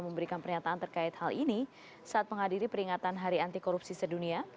memberikan pernyataan terkait hal ini saat penghadiri peringatan hari antikorupsi sedunia